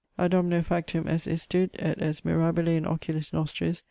] A Domino factum est istud: et est mirabile in oculis nostris.